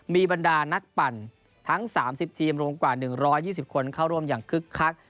มีบรรดานักปั่นทั้ง๓๐ทีมรวมกว่า๑๒๐คนเข้าร่วมอย่างคึกคัก